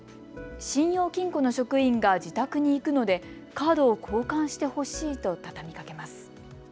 信用金庫の職員が自宅に行くのでカードを交換してほしいと畳みかけます。